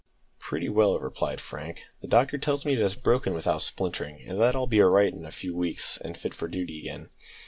"Pretty well," replied Frank; "the doctor tells me it has broken without splintering, and that I'll be all right in a few weeks, and fit for duty again."